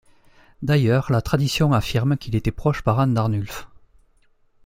D'ailleurs la tradition affirme qu'il était proche parent d'Arnulf.